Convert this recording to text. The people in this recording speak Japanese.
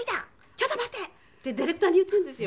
「ちょっと待って！」ってディレクターに言ってるんですよ。